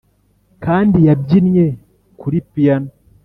kandi yabyinnye kuri piyano